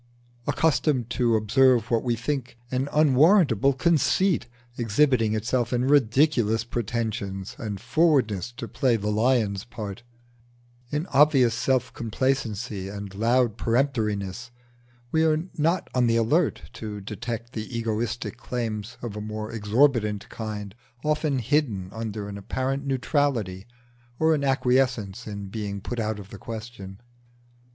Accustomed to observe what we think an unwarrantable conceit exhibiting itself in ridiculous pretensions and forwardness to play the lion's part, in obvious self complacency and loud peremptoriness, we are not on the alert to detect the egoistic claims of a more exorbitant kind often hidden under an apparent neutrality or an acquiescence in being put out of the question.